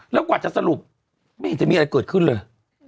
แล้วกว่าจะสรุปไม่เห็นจะมีอะไรเกิดขึ้นเลย